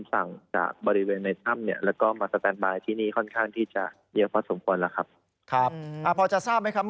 แล้วก็เดินทางเข้ามาพื้นที่บริเวณออมประตอร์